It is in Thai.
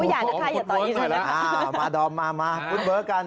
อุ๊ยอยากให้ใครอย่าต่ออีกหน่อยนะครับอาห์มาดอมมามาคุ้นเบิร์กกัน